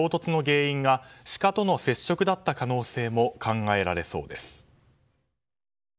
この車２台の衝突の原因がシカとの接触だった可能性も考えられそうです。